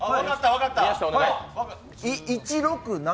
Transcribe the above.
１６７？